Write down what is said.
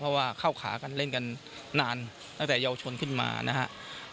เพราะว่าเข้าขากันเล่นกันนานตั้งแต่เยาวชนขึ้นมานะครับ